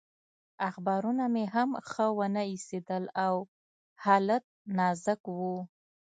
اخبارونه مې هم ښه ونه ایسېدل او حالت نازک و.